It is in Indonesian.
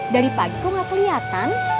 dari pagi kok gak keliatan